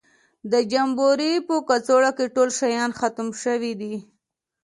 د جمبوري په کڅوړه کې ټول شیان ختم شوي دي.